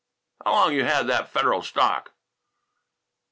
"How long you had that Federal stock?"